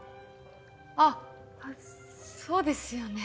あっそうですよね。